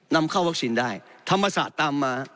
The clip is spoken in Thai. นำเข้าวัคซีนได้ธรรมศาสตร์ตามมา